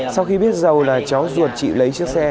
sau khi biết giàu là chó ruột chị lấy chiếc xe